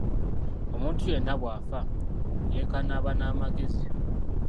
Omuntu yenna bw'afa, yenkana aba n'amagezi.